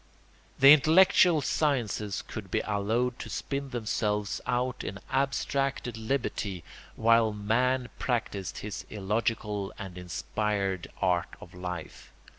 The intellectual sciences could be allowed to spin themselves out in abstracted liberty while man practised his illogical and inspired art of life.